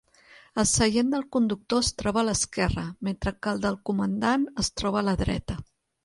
El seient del conductor es troba a l'esquerra, mentre que el del comandant es troba a la dreta.